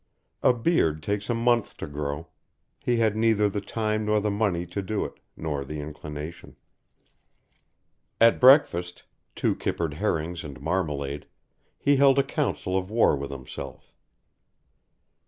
A beard takes a month to grow, he had neither the time nor the money to do it, nor the inclination. At breakfast two kippered herrings and marmalade he held a council of war with himself.